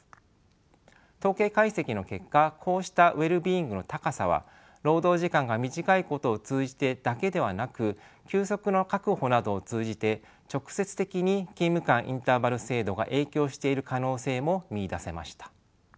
統計解析の結果こうしたウェルビーイングの高さは労働時間が短いことを通じてだけではなく休息の確保などを通じて直接的に勤務間インターバル制度が影響している可能性も見いだせました。